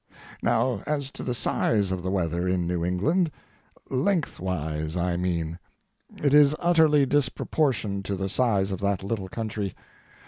Now as to the size of the weather in New England—lengthways, I mean. It is utterly disproportioned to the size of that little country.